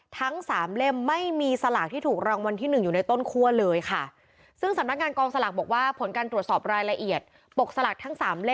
ทั้ง๓เล่มไม่มีสลากที่ถูกรางวัลที่๑อยู่ในต้นขั้วเลยค่ะ